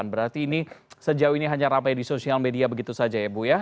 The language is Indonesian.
berarti ini sejauh ini hanya ramai di sosial media begitu saja ya bu ya